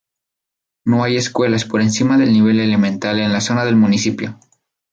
No hay escuelas por encima del nivel elemental en la zona del municipio.